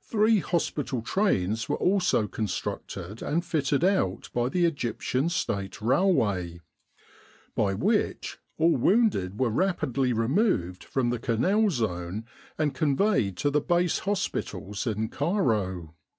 Three hospital trains were also constructed and fitted out by the Egyptian State Railway, by which all wounded were rapidly removed from the Canal Zone '9 With the R.A.M.C. in Egypt and conveyed to the base hospitals in Cairo.